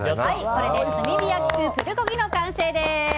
これで炭火焼き風プルコギの完成です。